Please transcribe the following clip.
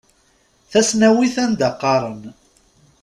Tasnawit anda qqaren.